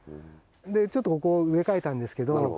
ちょっとここを植え替えたんですけど。